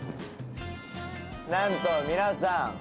なんと皆さん